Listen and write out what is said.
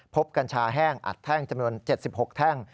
กัญชาแห้งอัดแท่งจำนวน๗๖แท่ง